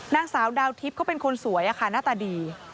นางสาวดาวทิพย์เขาเป็นคนสวยค่ะหน้าตาดี